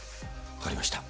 分かりました。